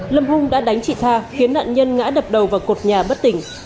lâm hung đã đánh chị tha khiến nạn nhân ngã đập đầu vào cột nhà bất tỉnh